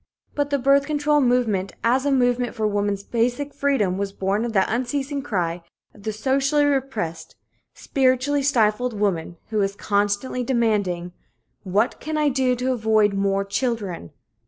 But the birth control movement as a movement for woman's basic freedom was born of that unceasing cry of the socially repressed, spiritually stifled woman who is constantly demanding: "What can I do to avoid more children?"